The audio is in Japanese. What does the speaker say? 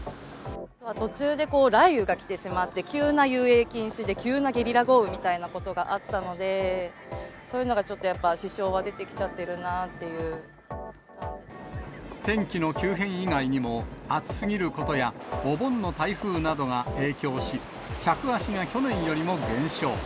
途中で雷雨が来てしまって、急な遊泳禁止で、急なゲリラ豪雨みたいなことがあったので、そういうのがちょっとやっぱ、支障は出てきちゃってるなってい天気の急変以外にも、暑すぎることや、お盆の台風などが影響し、客足が去年よりも減少。